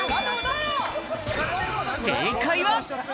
正解は。